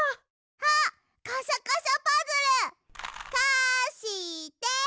あっカシャカシャパズル！かして！